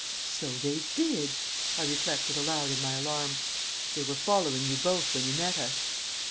"So they did!" I reflected aloud in my alarm. "They were following you both when you met us."